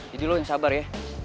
jadi lo yang sabar ya